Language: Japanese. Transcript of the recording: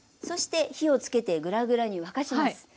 そして火をつけてグラグラに沸かします。